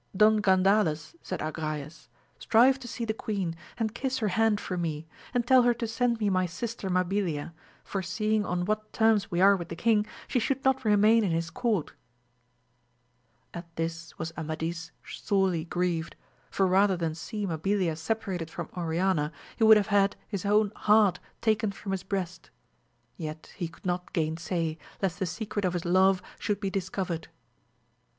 Don Gan dales, said Agrayes, strive to see the queen, and kiss her hand for me, and tell her to send me my sister Mabilia, for seeing on what terms we are with the king, she should not remain in his court. At this was AMADIS OF GAUL, 151 Amadis sorely grieved^ for rather than see Mabilia separated from Oriana he would have had his own heart taken from his breast; yet could he not gainsay, lest the secret of his love should be discovered.